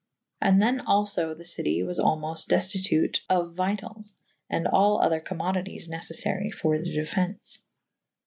And [C vi b] then alio the citie was almofte deftitute of vitailes / and all other commodities necel'fary for the defence.